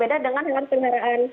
beda dengan hewan peliharaan